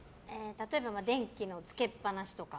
例えば電気のつけっぱなしとか。